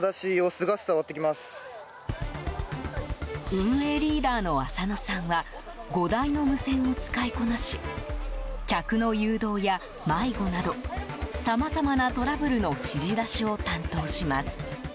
運営リーダーの浅野さんは５台の無線を使いこなし客の誘導や、迷子などさまざまなトラブルの指示出しを担当します。